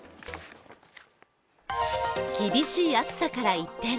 厳しい暑さから一転